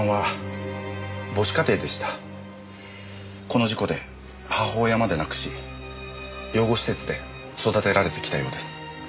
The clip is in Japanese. この事故で母親まで亡くし養護施設で育てられてきたようです。